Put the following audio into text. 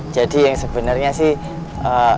jadi yang sebenernya sih